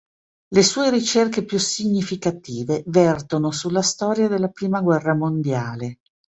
Le sue ricerche più significative vertono sulla storia della prima guerra mondiale.